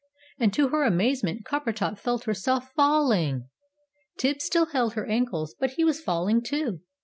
And, to her amazement, Coppertop felt herself FALLING! Tibbs still held her ankles, but he was falling too!